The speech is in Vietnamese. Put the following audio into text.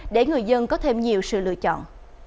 để người dân có thêm nhiều sự lựa chọn